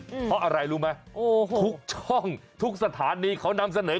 เพราะอะไรรู้ไหมทุกช่องทุกสถานีเขานำเสนอข่าวนี้